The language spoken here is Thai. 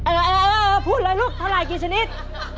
เออพูดเลยลูกเท่าไหร่กี่ชนิด